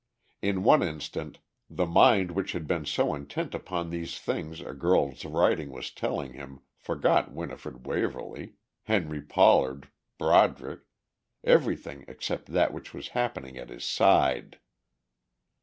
In one instant the mind which had been so intent upon these things a girl's writing was telling him forgot Winifred Waverly, Henry Pollard, Broderick everything except that which was happening at his side.